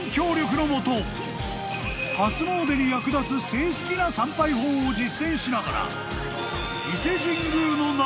［初詣に役立つ正式な参拝法を実践しながら伊勢神宮の謎に迫る！］